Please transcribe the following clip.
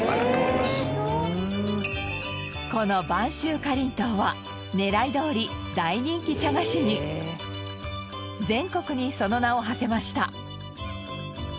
この播州かりんとうは狙いどおり全国にその名をはせました。